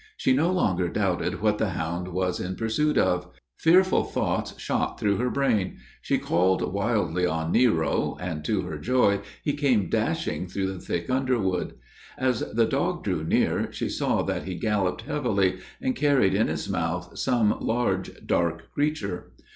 She no longer doubted what the hound was in pursuit of. Fearful thoughts shot through her brain; she called wildly on Nero, and, to her joy, he came dashing through the thick underwood. As the dog drew near, she saw that he galloped heavily, and carried in his mouth some large, dark creature.